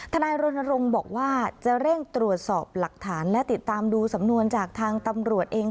นายรณรงค์บอกว่าจะเร่งตรวจสอบหลักฐานและติดตามดูสำนวนจากทางตำรวจเอง